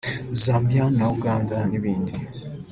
Zambia na Uganda n’ibindi